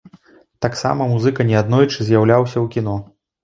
Таксама музыка неаднойчы з'яўляўся ў кіно.